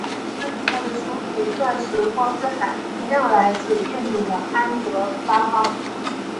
它与它的兄弟钻石光之海同样来自印度的安德拉邦。